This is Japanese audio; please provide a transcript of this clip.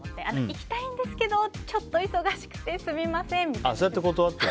行きたいんですけどちょっと忙しくてすみませんって。